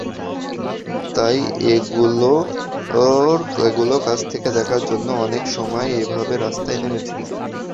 তাই এগুলো কাছ থেকে দেখার জন্য অনেক সময় এভাবে রাস্তায় নেমেছি।